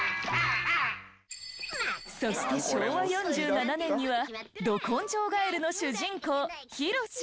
そして昭和４７年には『ど根性ガエル』の主人公ひろし。